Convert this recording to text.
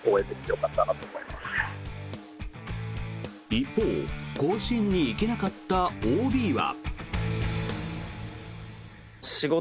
一方甲子園に行けなかったＯＢは。